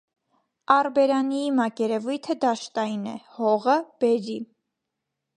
Առբերանիի մակերևույթը դաշտային է, հողը՝ բերրի։